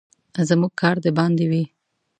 زموږ کار د باندې وي.